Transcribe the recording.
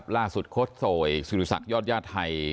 ล่าศุดโค้ชโทยสรุษักยอดยาไทย